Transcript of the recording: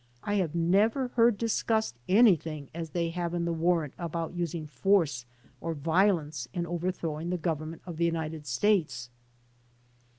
I have never heard discussed anything as they have in the warrant about using force or violence m overthrowing the Government of the United States."